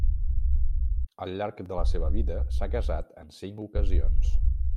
Al llarg de la seva vida s'ha casat en cinc ocasions.